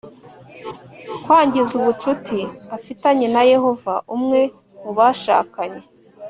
Kwangiza ubucuti afitanye na Yehova Umwe mu bashakanye